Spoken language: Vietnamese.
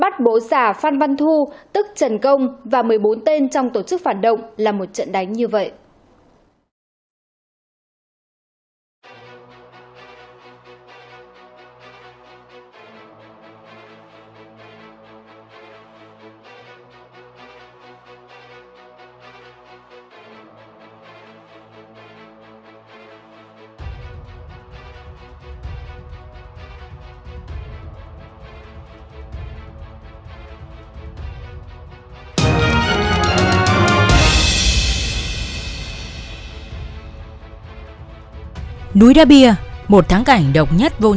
trận công và một mươi bốn tên trong tổ chức phản động là một trận đánh như vậy